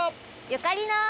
ゆかりの。